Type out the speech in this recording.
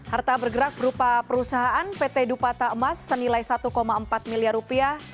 harta bergerak berupa perusahaan pt dupata emas senilai satu empat miliar rupiah